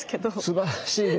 すばらしいですね。